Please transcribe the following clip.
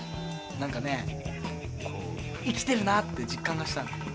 何かね生きてるなあって実感がした。